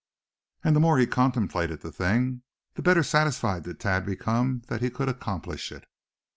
And the more he contemplated the thing, the better satisfied did Thad become that he could accomplish it.